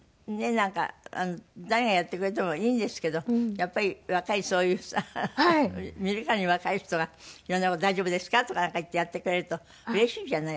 なんか誰がやってくれてもいいんですけどやっぱり若いそういうさ見るからに若い人が色んな事「大丈夫ですか？」とかなんか言ってやってくれるとうれしいじゃない